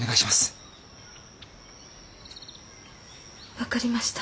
分かりました。